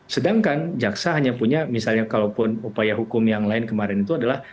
sedangkan jaksa hanya punya misalnya kalaupun upaya hukum yang lain kemarin itu adalah